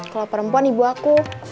kalau perempuan ibu aku